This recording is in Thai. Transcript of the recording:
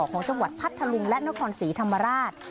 ของจังหวัดพัทธลุงและนครศรีธรรมราช